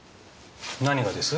何がです？